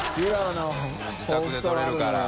自宅でとれるから。